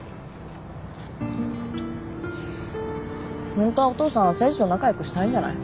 ホントはお父さん誠治と仲良くしたいんじゃない？